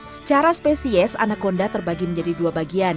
secara spesies anakonda terbagi menjadi dua bagian